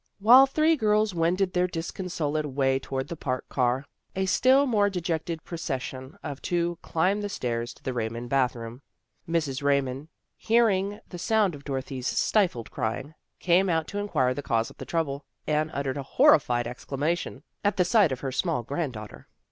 While three girls wended their disconsolate way toward the Park car, a still more dejected procession of two climbed the stairs to the Raymond bathroom. Mrs. Raymond, hearing the sound of Dorothy's stifled crying, came out to inquire the cause of the trouble, and uttered a horrified exclamation at the sight of her small granddaughter.